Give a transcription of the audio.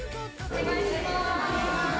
お願いします。